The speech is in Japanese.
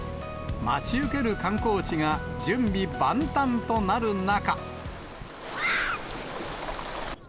待ち受ける観光地が準備万端となる中。